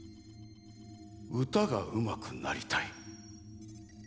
「うたがうまくなりたい」。